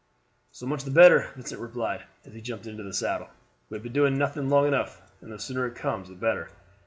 "So much the better," Vincent replied, as he jumped into the saddle. "We have been doing nothing long enough, and the sooner it comes the better."